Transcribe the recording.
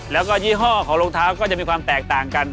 แล้วก็ยี่ห้อของรองเท้าก็จะมีความแตกต่างกัน